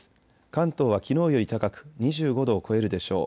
関東はきのうより高く２５度を超えるでしょう。